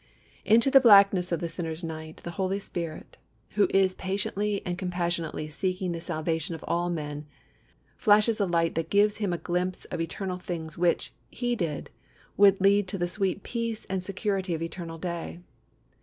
Into the blackness of the sinner's night the Holy Spirit, who is patiently and compassionately seeking the salvation of all men, flashes a light that gives him a glimpse of eternal things which, heeded, would lead to the sweet peace and security of eternal day.